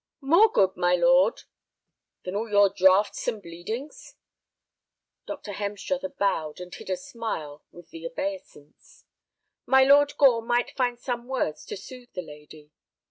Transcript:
"More good, my lord—" "Than all your draughts and bleedings!" Dr. Hemstruther bowed, and hid a smile with the obeisance. "My Lord Gore might find some words to soothe the lady."